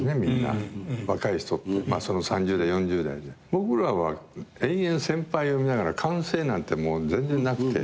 僕らは延々先輩を見ながら完成なんて全然なくて。